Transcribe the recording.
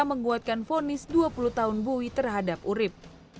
menguatkan fonis dua puluh tahun bui terhadap urib